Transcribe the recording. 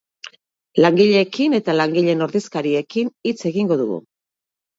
Langileekin eta langileen ordezkariekin hitz egingo dugu.